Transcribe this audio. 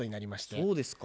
そうですか。